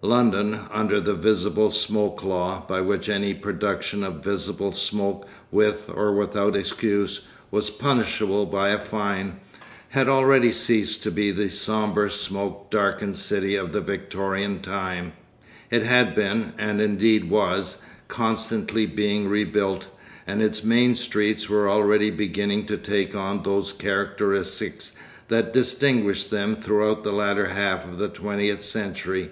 London, under the Visible Smoke Law, by which any production of visible smoke with or without excuse was punishable by a fine, had already ceased to be the sombre smoke darkened city of the Victorian time; it had been, and indeed was, constantly being rebuilt, and its main streets were already beginning to take on those characteristics that distinguished them throughout the latter half of the twentieth century.